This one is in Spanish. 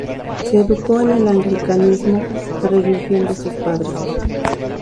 Se educó en el anglicanismo, la religión de sus padres.